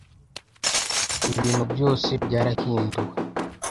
ibintu byose byarahinduwe